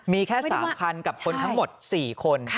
มีแค่สามคันกับคนทั้งหมดสี่คน